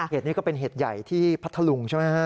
เหตุนี้ก็เป็นเหตุใหญ่ที่พัทธลุงใช่ไหมฮะ